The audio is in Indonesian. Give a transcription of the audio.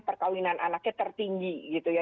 perkawinan anaknya tertinggi gitu ya